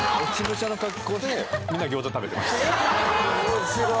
面白い。